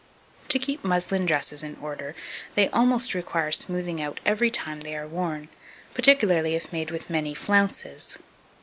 To keep muslin dresses in order, they almost require smoothing out every time they are worn, particularly if made with many flounces.